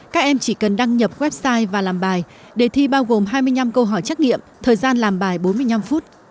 các em chỉ cần đăng nhập website và làm bài đề thi bao gồm hai mươi năm câu hỏi trắc nghiệm thời gian làm bài bốn mươi năm phút